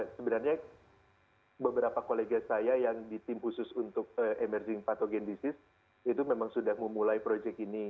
sebenarnya beberapa kolega saya yang di tim khusus untuk emerging patrogen disease itu memang sudah memulai proyek ini